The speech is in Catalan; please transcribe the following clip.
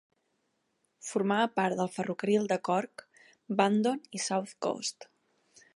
Formava part del ferrocarril de Cork, Bandon i South Coast.